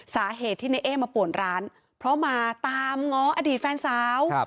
สาเหตุที่ในเอ๊มาป่วนร้านเพราะมาตามง้ออดีตแฟนสาว